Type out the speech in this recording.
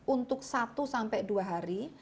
untuk satu sampai dua hari